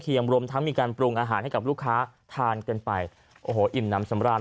รวมทั้งมีการปรุงอาหารให้กับลูกค้าทานกันไปโอ้โหอิ่มน้ำสำราญ